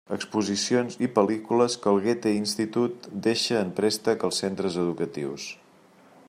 Exposicions i pel·lícules que el Goethe-Institut deixa en préstec als centres educatius.